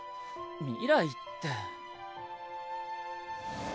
未来って。